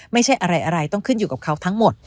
ไม่ใช่อะไรต้องขึ้นอยู่กับเขาทั้งหมด